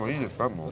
もう。